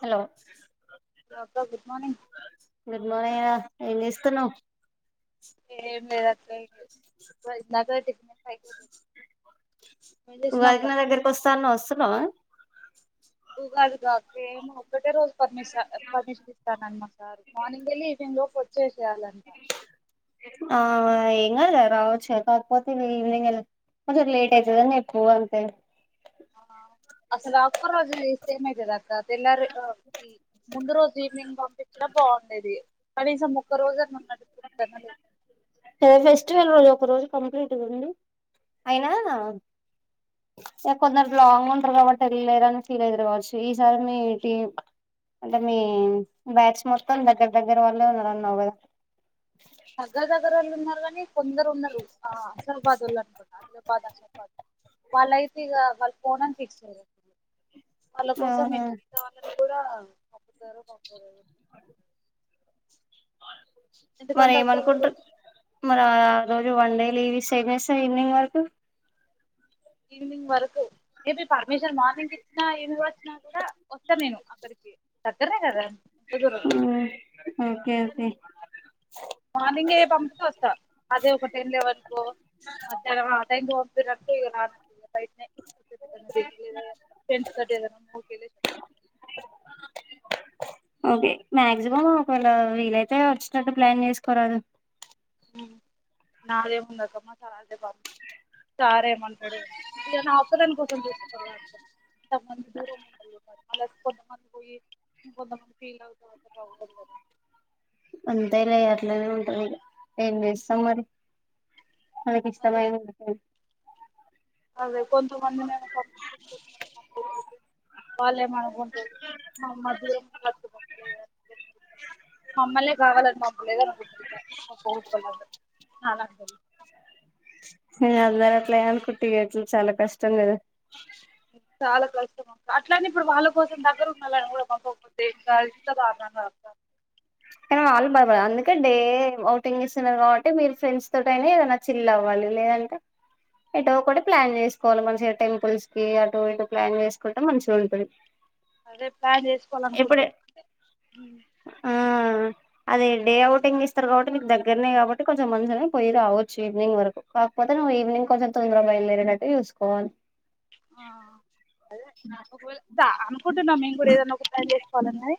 Hello hello అక్క good morning ఎం చేస్తున్నావ్ ఎం లేదక్కా ఇగ వదినతోటి ఇప్పుడే పైకి వచ్చినం వదిన దగ్గరకొస్తా అన్నావ్ వస్తున్నావా ఉగాదికాక్క ఏమో ఒకటే రోజ్ పర్మిసా పర్మిషన్ ఇస్తానన్నారు మా సార్ మార్నింగ్ వెళ్ళి ఈవినింగ్ లోకి వచ్చేస్ ఆ ఆ రావోచ్చుగా కాకపోతే ఇ ఈవినింగ్ వెళ్, కొంచెం లేట్ అయితదని చెప్పు అంతే ఆ అసలు ఆ ఒక్క రోజే ఎమైతాదిక్క తెల్లారి ఆ కి ముందు రోజు ఈవినింగ్ పంపించినా బాగుండేది, కనీసం ఒక్క రోజన్నా ఉండ [unintelligible] ఫెస్టివల్ రోజు ఒక రోజు కంప్లీట్గా ఉండి అయినా సరే కొందరు లాంగ్ ఉంటారు కాబట్టి వెళ్ళలేరని ఫీల్ అయితరు కావచ్చు ఈసారి మీటి అంటే మీ బ్యాచ్ మొత్తం దగ్గర దగ్గర వాళ్లే ఉన్నారు అన్నావ్ కదా దగ్గర దగ్గరోళ్లు ఉన్నారు కానీ కొందరు ఉన్నారు ఆ ఆసిఫాబాద్ ఒళ్ళు అనుకుంట [unintelligible] వాళ్ళైతే ఇక వాళ్లు పొనని ఫిక్స్ ఐన్రు వాళ్ళ కోసం అవునా మేము మిగతా వాళ్ళకి కూడా పంపుతారో పంపారో మరి ఏమనుకుంటూరు మరి ఆ రోజు వన్ డే లీవ్ ఇస్తే ఎం చేస్తావ్ ఈవినింగ్ వరకు ఈవినింగ్ వరకు ఇది పెర్మిషన్ మార్నింగ్ ఇచ్చినా ఏం కా చినా కూడా వస్తాను నేను అక్కడికి దగ్గరనే కదా ఎంత దూరం హ్మ్మ్ ఓకే ఓకే మార్నింగ్ పంపితే వస్తా అదే ఒక టెన్ లెవెన్ కు మధ్యాహ్నం ఆ టై [unintelligible] ఇగ బయటనే [unintelligible] ఫ్రెండ్స్ తోటి [unintelligible] ఓకే మాక్సిమం ఒకేవేళ వీలైతే వచ్చేటట్టు ప్లాన్ చేసుకోరాదు నాది ఏం ఉంది అక్క మా సార్ అంటే [unintelligible] సారేమంటాడు ఏమో ఇద నా ఒక్కదాని కోసం చూసుకోవల అక్క కొంతమంది దూరం ఉండారూ మ అలా కొంతమంది పోయి కొంతమంది ఫీల్ అవుతారుంట బాగుండదు కదా అంతేలే అట్లానీ ఉంటది ఈగ ఏం చేస్తాం మరి మనకి అదే ఇష్టమైనది అదే కొంతమంది [inaudible] వాళ్ళేమో అనుకుంటారు మనం దూరం నుంచి వచ్చేతట్టు లేదని మమ్మల్నే కావాలని పంపలేదు అనుకుంటారు ఇగ [unintelligible] ఇగ అందరూ అట్లానే అనుకుంటే ఇగ చాలా కష్టం కదా చాల కష్టం అక్క అట్లానీ ఇప్పుడు వాళ్ళ కోసం దగ్గర ఉంనోలని కూడా పంపకపోతే ఇంకా ఎంత దారుణం కదక్క కానీ వాళ్ళు అందుకే డే ఓటింగ్ ఇస్తున్నారు కాబట్టి మీ ఫ్రెండ్ తోటైన ఏదైనా చిల్ అవ్వాలి లేదంటే ఎటో ఒకటి ప్లాన్ చేసుకోవాలి మంచిగా టెంపుల్స్ కి అటు ఇటు ప్లాన్ చేసుకుంటే మంచిగా ఉంటుంది అదే ప్లాన్ చేసుకోవాల అనుకుంట అదే డే అవుటింగ్ ఇస్తారు కాబట్టి మీకు దగ్గరనే కాబట్టి కొంచెం మంచిగానే పోయి రావచ్చు ఈవినింగ్ వరకు కాకపోతే నువ్వు ఇవినింగ్ కొంచెం తొందరగా బయలుదేరేటట్టు చూసుకోవాలి ఆ అదే ఒకవేళ స అనుకుంటున్నాం మేము కూడా ఏదన్నా ఒకటి ట్రై చేసుకోవాలన్న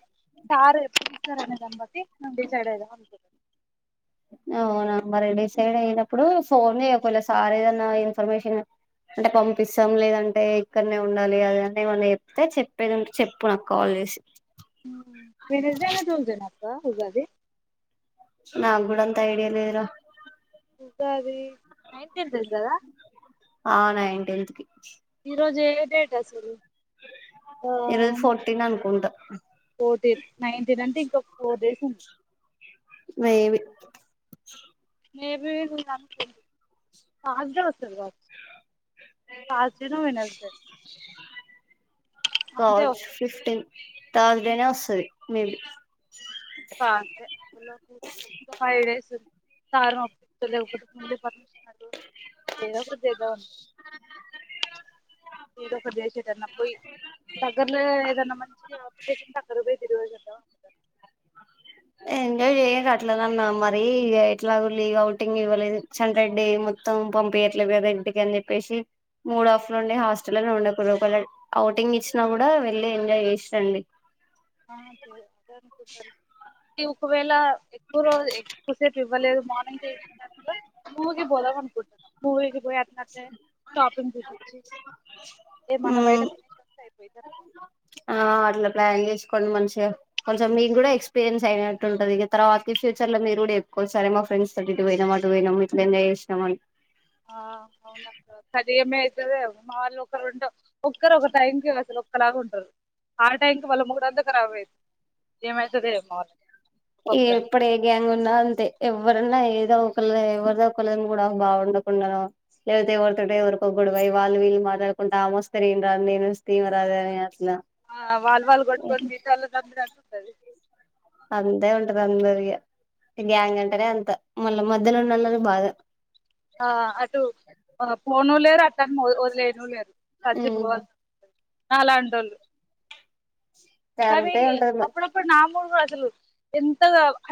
సార్ ఎప్పుడిస్తారు అనే దాన్ని బట్టి మేము డిసైడ్ అయిదాము అని అనుకు అవునా మరి డిసైడ్ అయినప్పుడు ఫోన్ కూడా ఎతలే సార్ ఏదన్నా ఇన్ఫర్మేషన్ అంటే పంపిస్తాం లేదంటే ఇక్కడనే ఉండాలి అద అన్న ఏమన్నా చెప్తే చెప్పేదింటే చెప్పు నాకు కాల్ చేసి వెడ్నెస్డే నా ట్యూస్డే నా అక్క ఉగాది నాకు కూడా అంత ఐడియా లేదురా ఉగాది నైటెంత్ కి కదా ఆ నైటెంత్ కి ఈరోజు ఏ డేట్ అసలు ఆ ఈరోజు ఫోర్టీన్ అనుకుంట ఫోర్టీన్ నైన్టీన్ అంటే ఇంక ఫోర్ డేస్ ఉంది మేబి మేబి నువ్వు [unintelligible] హాలిడే వస్తాది కావచ్చు పాస్ చేయను నేను ఎళ్తే కావచ్చు వస్తది ఫిఫ్టీన్ తౌజనే వస్తది మేబి తర్సుడే ఇంకా ఫైవ్ డేస్ సారును ఓప్పితలేవు ముందే పర్మిషను అడుగు ఏదో ఒకటి చేద్దాం అ ఏదో ఒకటి జేసి ఏటన్న పోయి దగ్గరలో ఏదన్నా మంచి ప్లేస్ ఉంటే అక్కడ పోయి తిరిగేషి అద్దం ఎ ఎంజాయ్ చేయండి అట్లానన్న మరి ఇగ ఎట్లాగు లీఔటింగ్ ఇవ్వలేదు ఇచ్చన్ రేడ్డి మొత్తం పే ఎట్ల బ్రదర్ ఇంటికి అని చెప్పేసి మూడు హఫ్ లుండి హాస్టల్లనే ఉండకూలీ లోపలే ఔటింగ్ ఇచ్చినా కూడా వెళ్ళి ఎంజాయ్ చేసిరండి ఆ చే అదే అనుకుంటాన ఒకవేళ ఒకరోజే ఎక్కువ సేపు ఇవ్వలేదు మార్నింగ్ [unintelligible] ఊగి పోదమనుకుం ఉరికి పోయి ఆ టాపింగ్ చూసొచ్చి ఏమన్న బయట తినేషస్తే అయిపై ఖాతం ఆ అట్లా ప్లాన్ చేసుకోండి మంచిగా కొంచెం మీకు కూడా ఎక్స్పీరియన్స్ అయినట్టు ఉంటంది ఇగ తర్వాతికి ఫ్యూచర్ లో మీరు కూడా చెప్పుకోవచ్చు అరె మా ఫ్రెండ్స్ తోటి ఇటు పోయినాము అటు పోయినాము ఇట్లా ఎంజాయ చేసినాం అని ఆ అవునక్క కది ఏమి అయితదో ఏమో మా వాళ్ళు ఒకరుంటే ఒక్కరు ఒక టైంకి అసలు ఒక్కలాగా ఉం ఆ టైంకి వాళ్ళ మూడంత కారాబైంది ఏమయితదేమో ఆ ఈ ఎప్పుడు ఏ గ్యాంగ్ ఉన్నా అంతే ఎవ్వరున్నా ఏదో ఒకన్లే ఎవరిదో ఒకళని కూడా బాగుండకుండానో లేదైతే ఎవరితోటో ఎవరికో గోడవై వాళ్ళు వీళ్ళు మాట్లాడుకుంట ఆమస్తే నేను రాను నేను వస్తే ఇమే రాదని అట్ల ఆ వాల్ వాల్ కొట్టుకొని మిగతోల్ల చంపినట్టు ఉంటది అంతే ఉంటది అంద రియా గ్యాంగ్ అంటానే అంత మళ్ళా మధ్యలున్నోళ్ళది బాధ ఆ అటు పోను లేరు అట్టను వదిలేయను లేరు చచ్చిపోవాలనీ నాలా టోళ్ళు కానీ అంతే ఉంటది అప్పుడుప్పుడు నా మూడ్ కూడా అసలు ఎంత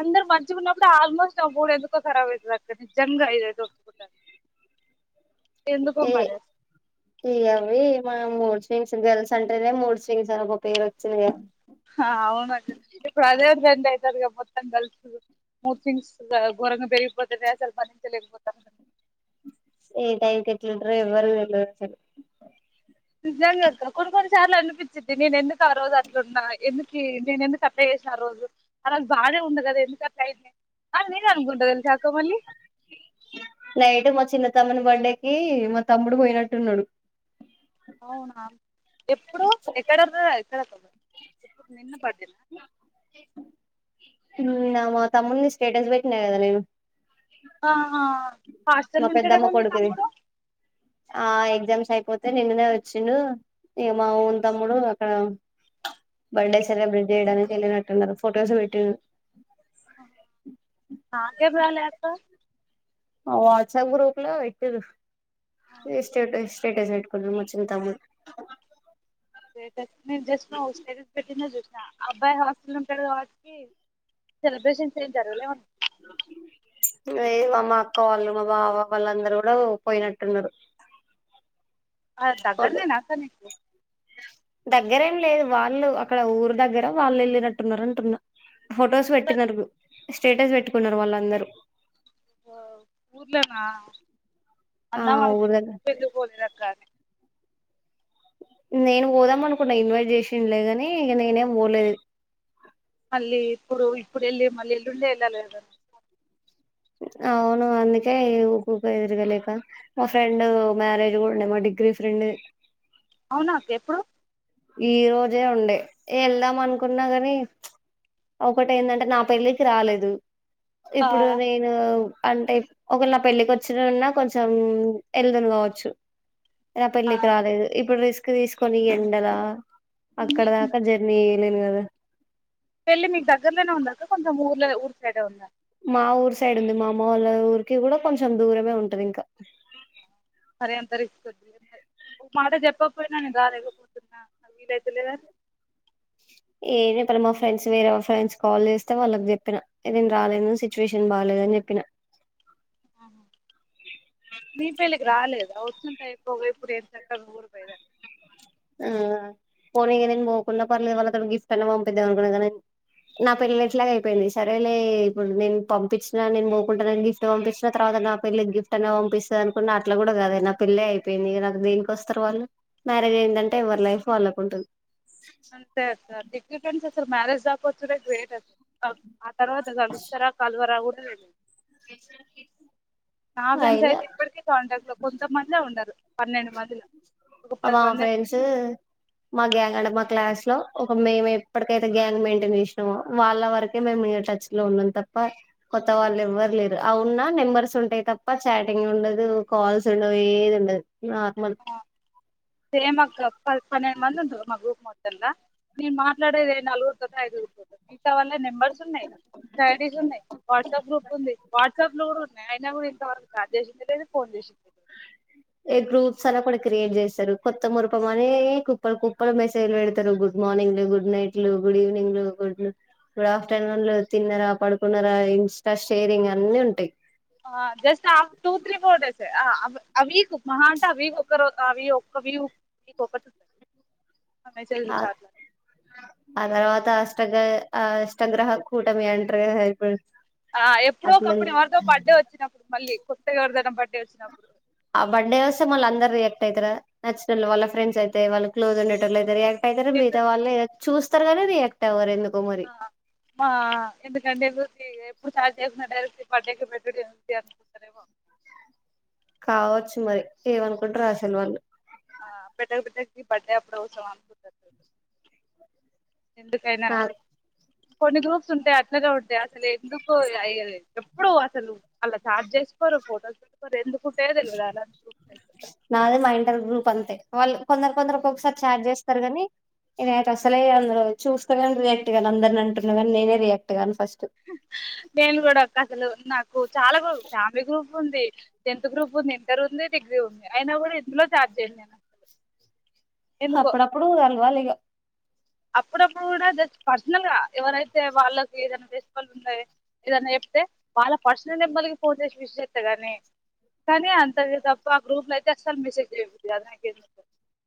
అందరు మంచిగున్నప్పుడే ఆల్మోస్ట్ నా ముడు ఎందుకో ఖరాబ్ అయితది అక్క నిజంగా ఇదైతే ఒప్పుకుంట ఏ మరి ఇ అవ్వీ మన మూడు స్వింగ్స్ గల్స్ అంటేనే మూడు స్వింగ్స్ అని ఒక పేరు వచ్చింది కదా హా అవునక్క ఇప్పుడు అదే ట్రెండ్ అయితంది గా మొత్తం గల్స్ ది మూడ్ స్వింగ్స్ గోరంగా పెరిగిపోతనే అసలు బరించలేక పోతన్న ఏ టైంకు ఎట్లుంటరో ఎవ్వరికి తెల్వదు అసలు నిజంగక్క కొన్ని కొన్నిసార్లు అనిపిచిద్ది నేను ఎందుకు ఆ రోజు అట్లున్న ఎందుకి నేను ఎందుకు అట్లా ఆ రోజు ఆరోజు బాగానే ఉన్న కదా ఎందుకు అట్లయింది కాదు నేనే అనుకుంట తెల్సా అక్క మళ్ళీ నైట్ మా చిన్న తమ్ముని బండెక్కి మా తమ్ముడు పోయినట్టున్నడు అవునా ఎప్పుడు ఎక్కడ అర్థం ఎక్కడ అక్క మరి నిన్న మా తమ్ముంది స్టేటస్ పెట్టిన కదా నేను ఆహ హాస్టల్ మా పెద్దమ్మ ఉంటాడేమో మీ కొడుకుది తమ్ముడు ఆ ఎగ్జామ్స్ అయిపోతే నిన్ననే వచ్చిండు ఇగ మావోని తమ్ముడు అక్కడ బర్త్డే సెలబ్రేట్ చేయడానికి ఏళ్ళినట్టున్నారు ఫొటోస్ పెట్టిరు నాకేం రాలే అక్క వాట్సాప్ గ్రూపు ల పెట్టిరు అవునా ఇగ స్టేటస్ స్టేటస్ పెట్టుకున్నాడు మా చిన్న తమ్ముడు స్టేటస్ నేను జస్ట్ నౌ స్టేటస్ పెట్టిందే చూసినా అబ్బాయి హాస్టల్ల ఉంటడు కాబట్టి సెలబ్రేషన్స్ ఎం జరగలేవా? ఆ ఇంగా ఈ మా అక్క వాళ్ళు మా బావ వాళ్ళు అందరు కూడా పోయినట్టున్నరు. ఆ దగ్గర్నేనా అక్కా నీకు. దగ్గరేం లేదు. వాళ్ళు అక్కడ ఊరు దగ్గర వాళ్ళు వెళ్ళినట్టున్నరు అంటున్నా. ఫొటోస్ ఊర్లో పెట్టినరు. స్టేటస్ పెట్టుకున్నరు వాళ్ళందరూ. ఆ ఊర్లనా ఆ అన్నా ఊరు దగ్గర [inaudible] పెళ్ళికి పోలేదక్కా అని నేను పోదాం అనుకున్నా ఇన్వేట్ చేసిన్లేగాని ఇగా నేనే పోలేదు మళ్లీ ఇప్పుడు ఇప్పుడు ఎళ్లి మళ్లీ ఎల్లుండే ఎళ్లాలి కదా అవును అందుకే ఇగా ఊకూకే తిరగలేకా మా ఫ్రెండ్ మ్యారేజ్ కూడా ఉండే మా డి గ్రీ ఫ్రెండ్ ది అవునా అక్క ఎప్పుడు ఈ రోజే ఉండే ఎ ఎళ్దాం అనుకున్నా కానీ చ్ ఒకటి ఏందంటే నా పెళ్ళికి రాలేదు. ఆ ఇప్పుడు నేను అంటే ఒక వెలా నా పెళ్ళికి వచ్చినున్నా కొంచెం ఎల్దును కావచ్చు. నా ఆ పెళ్లికి రాలేదు. ఇప్పుడు రిస్క్ తీసుకొని ఎండలా అక్కడ దాక జర్నీ లేను కదా పెళ్ళి మీకు దగ్గరలోనే ఉందా అక్కా. కొంచం ఊర్ల ఊరు సైడే ఉందా. మా ఊరు సైడ్ ఉంది. మా అమ్మవాల ఊరికి కూడా కొంచెం దూరమే ఉంటది ఇంకా. మరి అంత రిస్క్ వద్దులే మరి. ఒ మాట చెప్పకపోయినవు నేను రాలేకపోతున్నా నాకు వీలైతలేదని. ఏం చెప్పాలె మా ఫ్రెండ్స్ వేరే ఫ్రెండ్స్ కాల్ చేస్తే వాళ్ళకి చెప్పినా నేను రాలేను సిచ్యువేషన్ బాలే దు అని చెప్పినా. ఆహా మీ పెళ్లికి రాలే వచ్చుంటే అయిపోవుగా ఇప్పుడు ఏం చక్కగా ఊరుకు పోయేదానివి. ఆ పోనీ ఇగా నేను పోకుండా పర్లేదు వాళ్ళతోని గిఫ్ట్ అన్నా పంపిద్దాం అనుకున్నా కానీ నా పెళ్లి ఎట్లాగు అయిపోయింది. సరేలే ఇప్పుడు నేను పంపించినా నేను పోకుంటనే గిఫ్ట్ పంపించిన తర్వా నా పెళ్లికి గిఫ్ట్ అన్నా పంపిస్తదనుకున్నా అట్లా కూడా కాదే నా పెళ్ళె అయిపోయింది నాకు దేనికి వస్తరు వాళ్లు. మ్యారేజ్ అయిందంటే ఎవరి లైఫ్ వాళ్లకుంటుంది. అంతే అక్కా తిక్ ఫ్రెండ్స్ అసలుకు మ్యారేజ్ రాకపోతుడే గ్రేట్ అసలు ఆ ఆ తర్వాత కలుస్తరా కలవరా కూడా తెలవది. కేసర్ కిట్స్ నా ఫ్రెండ్స్ అయితే ఇప్పటికీ కాంటాక్ట్ లో కొంతమందె ఉన్నరు పన్నెండు మందిల. మా ఫ్రెండ్స్ మా గ్యాంగ్ అంటే మా క్లాస్లో ఒక మేము ఎప్పటికైతే గ్యాంగ్ మెయింటెన్ చేసినమో వాళ్ళ వరకే మేము ఇగా టచ్ లో ఉన్నాం తప్పా కొత్తవాళ్లు ఎవ్వరు లేరు ఆ ఉన్నా నెంబర్స్ ఉంటయి తప్పా చాటింగ్ ఉండదు, కాల్స్ ఉండవు, ఏది ఉండదు. నార్మల్ ఆ సేమ్ అక్కా ప పన్నెండు మంది ఉంటరు మా గ్రూప్ మొత్తంలా. నేను మాట్లాడేది ఎ నలుగురుతోనో ఐదు గురుతోటో మిగతా వాల్లయి నెంబర్స్ సున్నయి, ఐడిస్ ఉన్నయి, వాట్సప్ గ్రూప్ ఉంది. వాట్సాప్లు కూడా ఉన్నయి అయినా కూడా ఇంతవరకు చాట్ చేసింది లేదు, ఫోన్ చేసింది లేదు. ఏ గ్రూప్స్ అని ఒకటి క్రియేట్ చేస్తరు. కొత్త మురిపం అని కుప్పలు కుప్పలు మెసేజ్లు పెడతరు గుడ్ మార్నిం ర్నింగ్లు, గుడ్ నైట్లు, గుడ్ ఈవినింగ్ లు గుడ్ గుడ్ ఆఫ్టర్నూన్లు, తిన్నరా, పడుకున్నరా ఇన్స్టా షేరింగ్ అన్ని ఉంటయి. ఆ జస్ట్ ఆ టూ త్రీ ఫోర్ డేసే ఆ ఆ వీకు మహా అంటే ఆ వీకు ఒక్క రోజు అవి ఒక్క వి కు ఒక్క [inaudible] ఆ ఆ తర్వాత అష్టగా ఆ అష్టగ్రహ కూటమి అంటరు కదా ఇప్పుడు ఆ ఎప్పుడో అట్లా ఒకప్పుడు ఎవరిదో బర్త్డే వచ్చినప్పుడు మళ్ళీ కొత్తగా ఎవరిదైనా బర్డే వచ్చినప్పుడు. ఆ బర్త్డే వస్తే మల్ల అందరు రియాక్ట్ అయితార నచ్చినోలు వాళ్ళ ఫ్రెండ్స్ అయితే వాళ క్లోజ్ ఉండేటోళ్లు అయితే రియాక్ట్ అయితరూ మిగతా వాళ్ళు చూస్తారు గానీ రియాక్ట్ అవ్వరు ఎందుకు ఆ ఆ ఎందుకంటే ఎవరికి ఇప్పుడు చాట్ చేయకుండా డైరెక్ట్ ఇంపార్టెంట్ పెట్టుడేమో చెయ్యొచ్చు అనుకుంటారేమో. కావచ్చు మరి ఏమనుకుంటారో అసలు వాళ్ళు. ఆ పెట్టక పెట్టక కి బర్డే అప్పుడు అవసరమా అనుకుంట ఎందుకైనా నా కొన్ని గ్రూప్స్ ఉంటాయి అట్లానే ఉంటాయి అసలు ఎందుకు అ ఎప్పుడు అసలు ఆన్ల చాట్ చేసి చేసుకోరు ఫోటోస్ పెట్టుకోరు ఎందుకు నాదే మా ఇంటర్ గ్రూప్. అంతే వాళ్ళు కొందరు కొందరు ఒక్కొక్కసారి చాట్ చేస్తారు గాని నేయితే అసలే అందరు చూస్తా కానీ రియాక్ట్ కాగా అందరిని అంటున్నా కానీ నేనే రియాక్ట్గాను ఫస్ట్. నేను కూడా అసలు నాకు చాలా ఫ్యామిలీ గ్రూప్ ఉంది. టెన్త్ గ్రూప్ ఉంది ఇంటర్ ఉంది డిగ్రీ ఉంది అయినా కూడా ఎందులో చాట్ చేయను నేను అసలు ఎందుకో అప్పుడప్పుడు కలవాలి ఇక అప్పుడప్పుడు కూడా జస్ట్ పర్సనల్ గా ఎవరైతే వాళ్ళకి ఏదైనా ఫెస్టివల్ ఉండ ఏదైనా చెప్తే వాళ్ళ పర్సనల్ నెంబర్లకి ఫోన్ చేసి విష్ చేస్తా గాని కానీ అంత తప్ప ఆ గ్రూప్ లో అయితే అసలు మెసేజ్ చెయ్య బుద్ధి కాదు నాకెందుకో